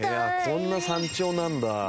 こんな山頂なんだ。